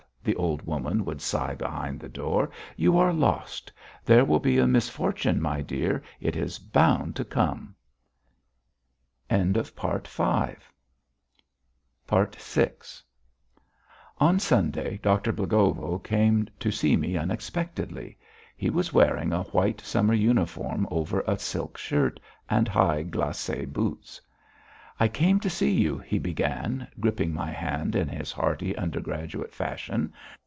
the old woman would sigh behind the door. "You are lost. There will be a misfortune, my dear. It is bound to come." VI On Sunday, Doctor Blagovo came to see me unexpectedly. He was wearing a white summer uniform over a silk shirt, and high glacé boots. "I came to see you!" he began, gripping my hand in his hearty, undergraduate fashion.